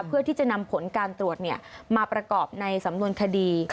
เพื่อที่จะนำผลการตรวจมาประกอบในสำนวนคดี